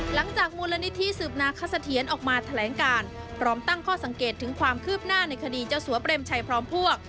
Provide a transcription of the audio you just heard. หลังจากมูลนิธิสืบนาคสะเทียนออกมาแถลงการพร้อมตั้งข้อสังเกตถึงความคืบหน้าในคดีเจ้าสัวเปรมชัยพร้อมพวก